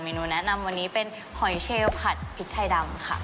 หนูแนะนำวันนี้เป็นหอยเชลผัดพริกไทยดำค่ะ